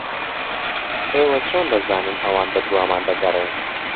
ئێوە چۆن دەزانن ئەوان بەدوامان دەگەڕێن؟